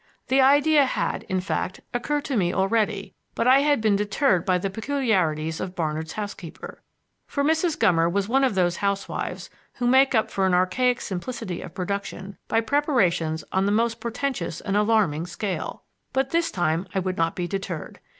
The idea had, in fact, occurred to me already, but I had been deterred by the peculiarities of Barnard's housekeeper. For Mrs. Gummer was one of those housewives who make up for an archaic simplicity of production by preparations on the most portentous and alarming scale. But this time I would not be deterred.